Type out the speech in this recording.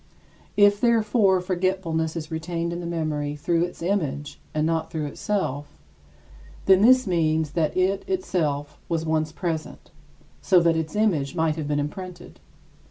If, therefore, forgetfulness is retained in the memory through its image and not through itself, then this means that it itself was once present, so that its image might have been imprinted.